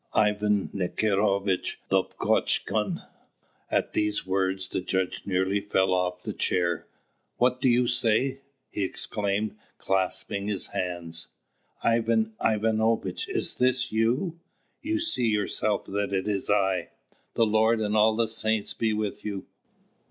"Ivan Nikiforovitch Dovgotchkun." At these words, the judge nearly fell off his chair. "What do you say?" he exclaimed, clasping his hands; "Ivan Ivanovitch, is this you?" "You see yourself that it is I." "The Lord and all the saints be with you!